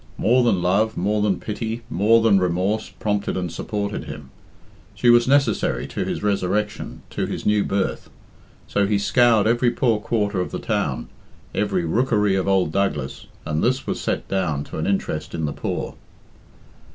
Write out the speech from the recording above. More than love, more than pity, more than remorse prompted and supported him. She was necessary to his resurrection, to his new birth. So he scoured every poor quarter of the town, every rookery of old Douglas, and this was set down to an interest in the poor.